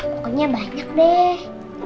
pokoknya banyak deh